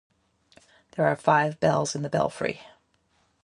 There are five bells in the belfry.